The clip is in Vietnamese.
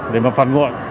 để mà phản nguội